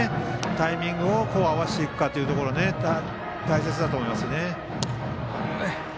タイミングを合わせていくかというところが大切だと思います。